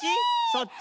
そっち？